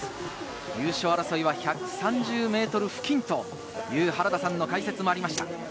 優勝争いは１３０メートル付近という原田さんの解説がありました。